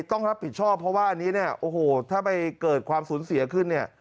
ต้องรับผิดชอบเพราะว่าอันนี้เนี่ยโอ้โหถ้าไปเกิดความสูญเสียขึ้นเนี่ย